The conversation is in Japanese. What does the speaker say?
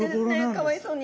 かわいそうに。